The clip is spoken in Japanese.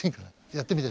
やってみて。